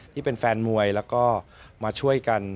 ที่เป็นแฟนมวยแล้วก็มาช่วยกัน